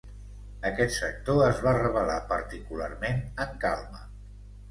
Aquest sector es va revelar particularment en calma.